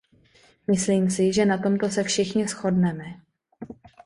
Myslím si, že na tomto se všichni shodneme.